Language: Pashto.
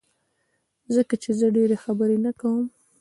ځکه چي زه ډيری خبری نه کوم